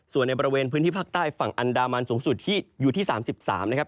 ส่วนในบริเวณพื้นที่ภาคใต้ฝั่งอันดามันสูงสุดที่อยู่ที่๓๓นะครับ